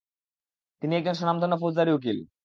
তিনি একজন স্বনামধন্য ফৌজদারি উকিল।